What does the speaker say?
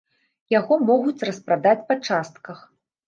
Яго могуць распрадаць па частках.